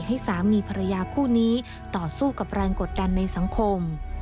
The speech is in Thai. ให้สามีภรรยาคู่นี้ต่อสู้กับแรงกดดันในสังคม